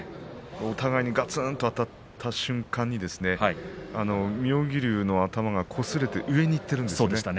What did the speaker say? お互いにガツンとあたった瞬間に妙義龍の頭がこすれて上にいっているんですよね。